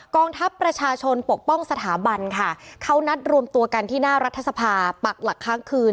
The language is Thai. ทัพประชาชนปกป้องสถาบันค่ะเขานัดรวมตัวกันที่หน้ารัฐสภาปักหลักค้างคืน